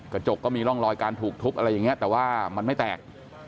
กระจกก็มีร่องรอยการถูกทุบอะไรอย่างนี้แต่ว่ามันไม่แตก